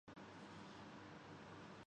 fifty fifty کی انگریزی پر امریکی حیران